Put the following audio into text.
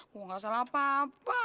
gue gak salah apa apa